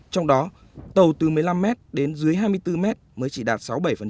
trong đó tàu từ một mươi năm m đến dưới hai mươi bốn mét mới chỉ đạt sáu bảy